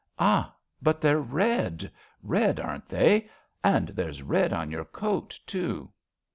Ah, but they're red. Red, aren't they? And there's red on your coat, too.